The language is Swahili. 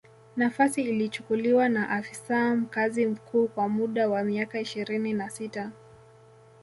Nafasi ilichukuliwa na afisa mkazi mkuu kwa muda wa miaka ishirini na sita